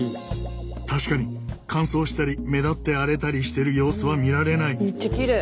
確かに乾燥したり目立って荒れたりしてる様子は見られない。